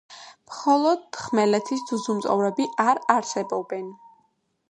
მხოლოდ ხმელეთის ძუძუმწოვრები არ არსებობენ.